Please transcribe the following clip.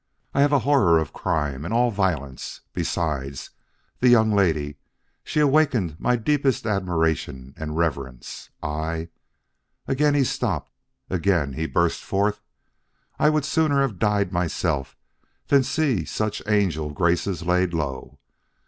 I have a horror of crime and all violence; besides, the young lady she awakened my deepest admiration and reverence. I," again he stopped; again he burst forth, "I would sooner have died myself than seen such angel graces laid low.